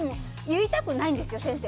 言いたくないんですよ、先生。